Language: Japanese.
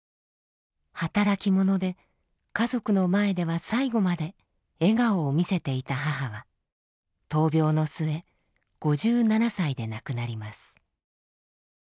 働き者で家族の前では最期まで笑顔を見せていた母は闘病の末５７歳で亡くなります。